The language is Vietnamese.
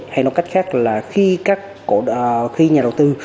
hay nói cách khác là khi nhà đầu tư